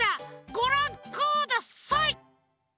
ごらんください！